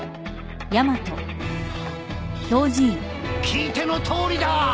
聞いてのとおりだ！